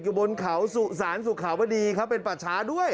อยู่บนเขาสร้านศุกรขาวดีเป็นปรชะด้วย